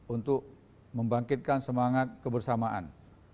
untuk membangkitkan semangat kebersamaan